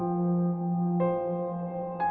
สวัสดีครับผมชื่อสามารถชานุบาลชื่อเล่นว่าขิงถ่ายหนังสุ่นแห่ง